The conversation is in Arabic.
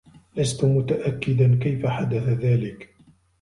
لست متأكدا كيف حدث ذلك.